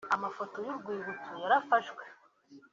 Amafoto y'urwibutso yarafashwe